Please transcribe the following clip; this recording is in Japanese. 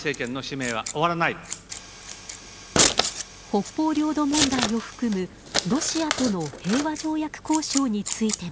北方領土問題を含むロシアとの平和条約交渉についても。